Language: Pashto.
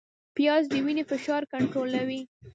پیاز د وینې فشار کنټرولوي